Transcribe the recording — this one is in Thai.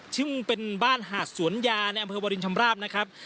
ซึ่งเป็นบ้านหาดสวนยาในอำเภอวรินชำราบนะครับ